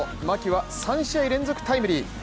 牧は３試合連続タイムリー。